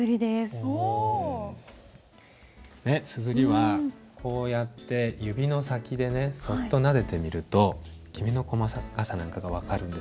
硯はこうやって指の先でそっとなでてみるときめの細かさなんかが分かるんですよね。